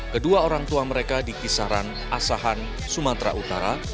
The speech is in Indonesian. kedua orang tua mereka di kisaran asahan sumatera utara